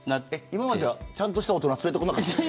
今まではちゃんとした大人連れてこなかったの。